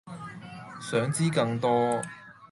想知更多